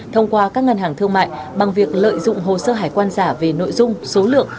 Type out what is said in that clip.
thông qua các ngân hàng thương mại bằng việc lợi dụng hồ sơ hải quan giả về nội dung số lượng